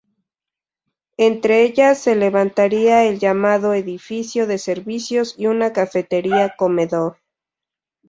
Entre ellas se levantarían el llamado Edificio de Servicios y una Cafetería-Comedor.